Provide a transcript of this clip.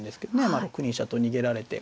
まあ６二飛車と逃げられて。